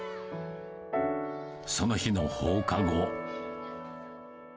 その日の放課後。